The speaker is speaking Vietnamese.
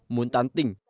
muốn tán tỉnh